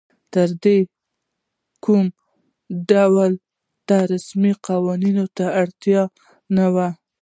تر دې کمو ډلو ته رسمي قوانینو ته اړتیا نه وي.